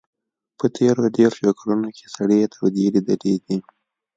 په تېرو دېرشو کلونو کې سړې تودې لیدلي دي.